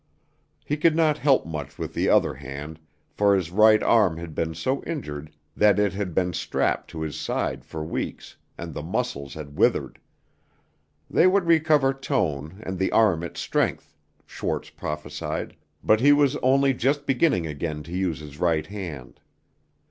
He could not help much with the other hand, for his right arm had been so injured that it had been strapped to his side for weeks, and the muscles had withered. They would recover tone, and the arm its strength, Schwarz prophesied, but he was only just beginning again to use his right hand.